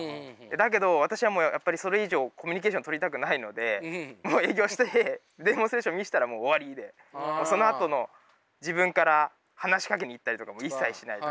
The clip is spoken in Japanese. だけど私はもうやっぱりそれ以上コミュニケーションとりたくないのでもう営業してデモンストレーション見せたらもう終わりでそのあとの自分から話しかけに行ったりとかも一切しない。